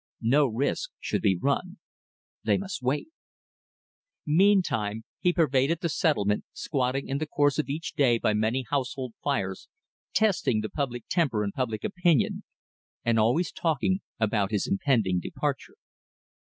No risk should be run. They must wait. Meantime he pervaded the settlement, squatting in the course of each day by many household fires, testing the public temper and public opinion and always talking about his impending departure.